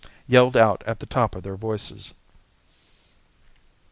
yelled out at the top of their voices.